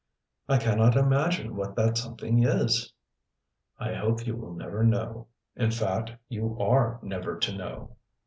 "I cannot imagine what that something is." "I hope you will never know. If fact, you are never to know."